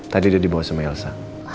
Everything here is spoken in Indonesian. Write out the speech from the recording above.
tadi dia dibawa sama elsa